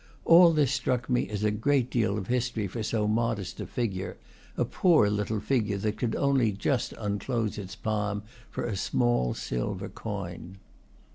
All this struck me as a great deal of history for so modest a figure, a poor little figure that could only just unclose its palm for a small silver coin.